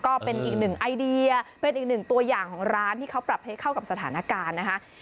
ก็เป็นอีกหนึ่งไอเดียเป็นอีกหนึ่งตัวอย่างของร้านที่เขาปรับให้เข้ากับสถานการณ์นะคะ